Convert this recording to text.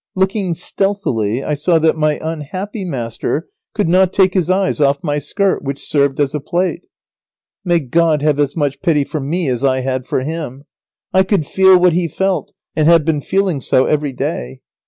] Looking stealthily I saw that my unhappy master could not take his eyes off my skirt, which served as a plate. May God have as much pity for me as I had for him! I could feel what he felt, and have been feeling so every day.